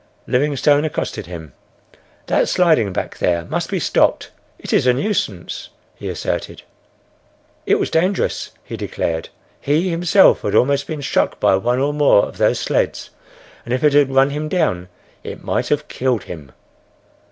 Livingstone accosted him: "That sliding, back there, must be stopped. It is a nuisance," he asserted.—It was dangerous, he declared; he himself had almost been struck by one or more of those sleds and if it had run him down it might have killed him.